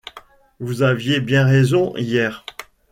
Vous aviez bien raison hier !